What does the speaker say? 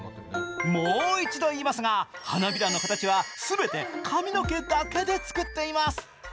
もう一度言いますが、花びらの形は全て髪の毛だけで作っています。